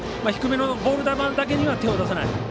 低めのボール球だけには手を出さない。